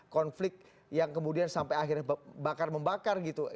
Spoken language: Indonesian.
konflik yang kemudian sampai akhirnya bakar membakar gitu